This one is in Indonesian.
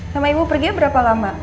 sama ibu perginya berapa lama